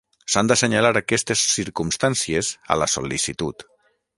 S'han d'assenyalar aquestes circumstàncies a la sol·licitud.